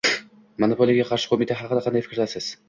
Monopoliyaga qarshi qo'mita haqida qanday fikrdasiz?